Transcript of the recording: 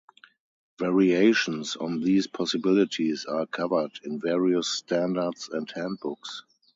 Variations on these possibilities are covered in various standards and handbooks.